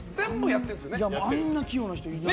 あんな器用な人いない。